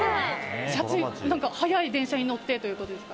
早い電車に乗ってということですか。